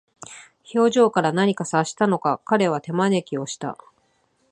表情から何か察したのか、彼は手招きをした。